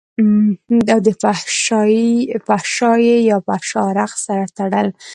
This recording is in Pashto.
او دفحاشۍ يا فحش رقص سره تړل